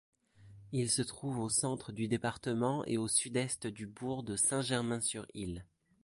Il se trouve au centre du département et au sud-est du bourg de Saint-Germain-sur-Ille.